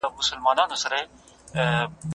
آیا ښځې خپل حقونه ترلاسه کوي؟